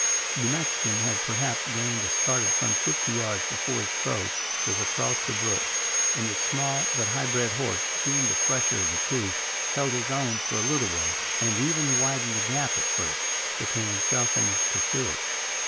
The Mexican had, perhaps, gained a start of some fifty yards before his foe was across the brook, and his small but high bred horse, being the fresher of the two, held his own for a little way, and even widened the gap at first, between himself and his pursuer.